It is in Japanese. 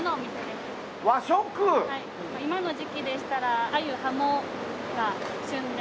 今の時期でしたらアユハモが旬で。